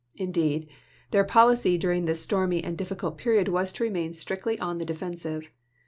Indeed, their policy during this stormy and difficult period was to remain strictly on the defensive.